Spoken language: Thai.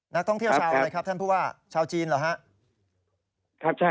นักท่องเที่ยวชาวอะไรครับท่านผู้ว่าชาวจีนเหรอครับ